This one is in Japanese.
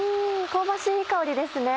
香ばしいいい香りですね。